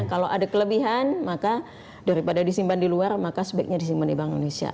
kalau ada kelebihan maka daripada disimpan di luar maka sebaiknya disimpan di bank indonesia